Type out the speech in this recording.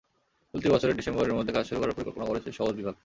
চলতি বছরের ডিসেম্বরের মধ্যে কাজ শুরু করার পরিকল্পনা করেছে সওজ বিভাগ।